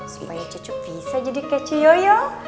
supaya cece bisa jadi kayak ci yoyo